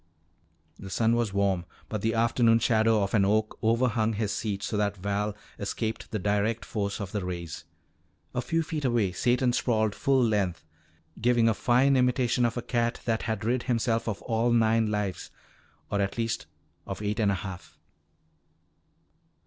The sun was warm but the afternoon shadow of an oak overhung his seat so that Val escaped the direct force of the rays. A few feet away Satan sprawled full length, giving a fine imitation of a cat that had rid himself of all nine lives, or at least of eight and a half.